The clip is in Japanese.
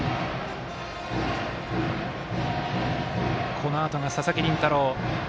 このあとが佐々木麟太郎。